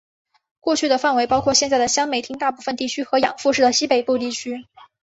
过去的范围包括现在的香美町大部分地区和养父市的西北部地区。